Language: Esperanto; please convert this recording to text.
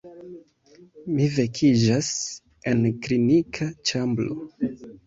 Mi vekiĝas en klinika ĉambro.